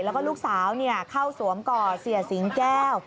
แล้วก็ลูกสาวเข้าสวมก่อเสียสิงแก้ว